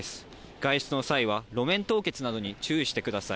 外出の際は、路面凍結などに注意してください。